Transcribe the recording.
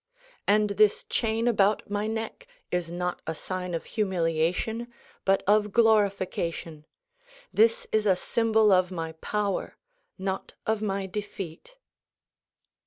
"And this chain about my neck is not a sign of humiliation but of glorification. This is a symbol of my power not of my defeat."